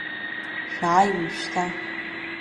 Шәааи уажәшьҭа!